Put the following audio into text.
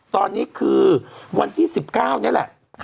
ตอนนี้คือวันที่๑๙นี่แหละ